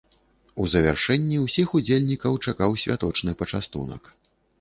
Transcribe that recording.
У завяршэнні ўсіх удзельнікаў чакаў святочны пачастунак.